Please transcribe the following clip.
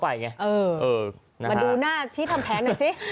มาดูหน้าชี้ทำแผนหน่อยสิ